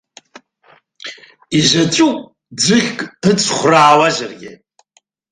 Изаҵәуп, ӡыхьк ыҵхәраауазаргьы.